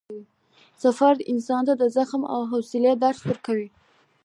سفر انسان ته د زغم او حوصلې درس ورکوي